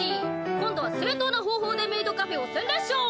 今度は正当な方法でメイドカフェを宣伝しよう！